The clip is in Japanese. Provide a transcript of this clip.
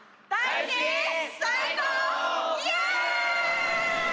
イエーイ！